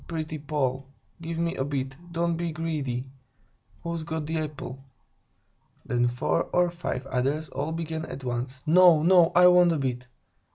Pretty Poll! Give me a bit; don't be greedy! Who's got the apple?" Then four or five others all began at once: "No, no, I want a bit!